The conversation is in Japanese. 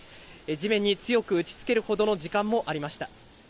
地面に強く打ちつけるほどの時間もありました。